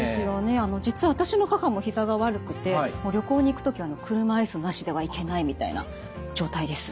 実は私の母もひざが悪くて旅行に行く時は車椅子なしでは行けないみたいな状態です。